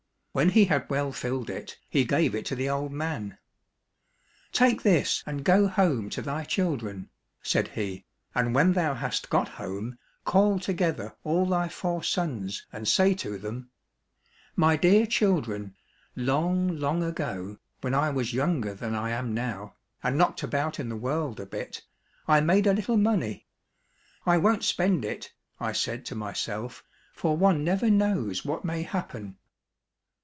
When he had well filled it, he gave it to the old man. " Take this and go home to thy children," said he, " and when thou hast got home, call together all thy four sons and say to them, * My dear children, long long ago, when I was younger than I am now, and knocked about in the world a bit, I made a little money. " I won't spend it," I said to myself, " for one never knows what may happen."